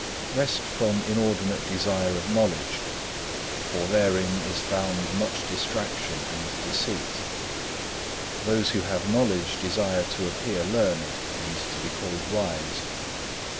2. Rest from inordinate desire of knowledge, for therein is found much distraction and deceit. Those who have knowledge desire to appear learned, and to be called wise.